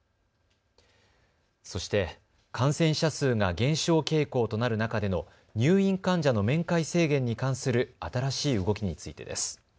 そして、感染者数が減少傾向となる中での入院患者の面会制限に関する新しい動きについてです。